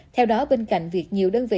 theo đó bên cạnh việc nhiều đơn vị